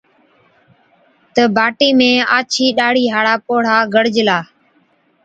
تہ باٽي ۾ آڇِي ڏاڙهِي هاڙا پوڙها گِڙجلا،